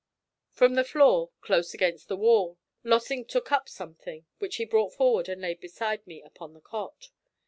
From the floor, close against the wall, Lossing took up something, which he brought forward and laid beside me upon the cot.